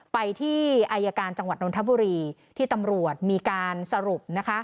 ไปที่อายการจังหวัดนทบุรีที่ตำรวจมีการสรุปนะคะ